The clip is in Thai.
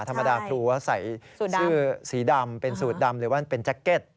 ธรรมดาครูใส่ชื่อสีดำเป็นสูตรดำหรือว่าเป็นแจ็คเก็ต